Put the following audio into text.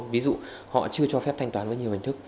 ví dụ họ chưa cho phép thanh toán với nhiều hình thức